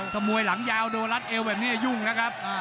ถ้ามวยหลังยาวโดนรัดเอวแบบนี้ยุ่งนะครับ